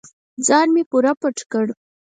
ځان مې پوره پټ کړ.